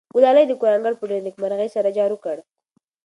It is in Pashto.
ګلالۍ د کور انګړ په ډېرې نېکمرغۍ سره جارو کړ.